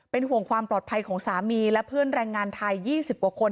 ห่วงความปลอดภัยของสามีและเพื่อนแรงงานไทย๒๐กว่าคน